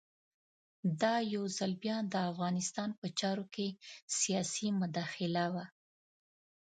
دا یو ځل بیا د افغانستان په چارو کې سیاسي مداخله وه.